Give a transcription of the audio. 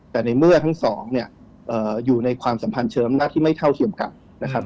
แต่ในเมื่อทั้งสองอยู่ในความสัมพันธ์เชิมหน้าที่ไม่เท่าเทียบกับ